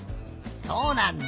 そうなんだ。